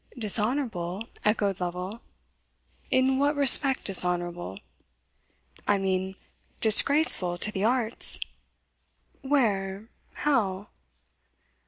"Dishonourable!" echoed Lovel "in what respect dishonourable?" "I mean, disgraceful to the arts." "Where? how?"